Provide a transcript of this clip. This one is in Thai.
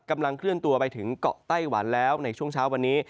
กำลังเคลื่อนตัวไปถึงเกาะไต้หวันแล้วในช่วงเช้าวันนี้